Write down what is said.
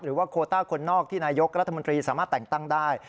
โคต้าคนนอกที่นายกรัฐมนตรีสามารถแต่งตั้งได้